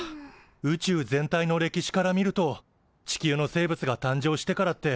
宇宙全体の歴史から見ると地球の生物が誕生してからって